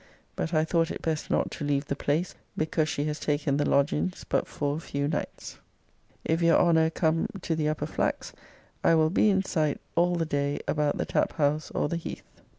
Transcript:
But I thoute it best not to leve the plase, because she has taken the logins but for a fue nites. If your Honner come to the Upper Flax, I will be in site all the day about the tapp house or the Hethe.